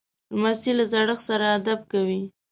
لمسی له زړښت سره ادب کوي.